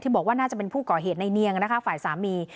บอกว่าน่าจะเป็นผู้ก่อเหตุในเนียงนะคะฝ่ายสามี